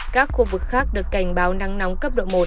các khu vực khác được cảnh báo nắng nóng cấp độ một